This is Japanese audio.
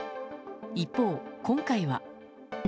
一方、今回は。